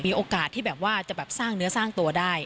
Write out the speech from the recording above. มีโอกาสที่จะสร้างเนื้อสร้างตัวได้